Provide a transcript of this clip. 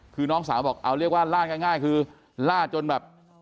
คือน้องสาวบอกเอาเรียกว่าลาดง่ายคือลาดจนแบบ